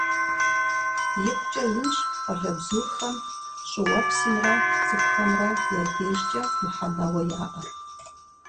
ИкъукӀэ инщ къуалэбзухэм щӀыуэпсымрэ цӀыхухэмрэ я дежкӀэ мыхьэнэуэ яӀэр.